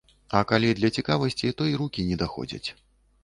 А калі для цікавасці, то і рукі не даходзяць.